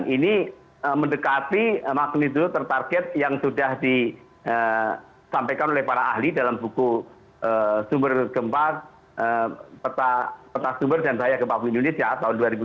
ini mendekati magnitudo tertarget yang sudah disampaikan oleh para ahli dalam buku sumber gempa peta sumber dan bahaya gempa bumi indonesia tahun dua ribu tujuh belas